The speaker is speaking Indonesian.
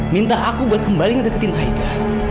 minta aku buat kembali ngedekatin aida